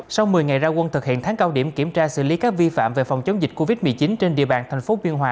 sau một mươi ngày ra quân thực hiện tháng cao điểm kiểm tra xử lý các vi phạm về phòng chống dịch covid một mươi chín trên địa bàn thành phố biên hòa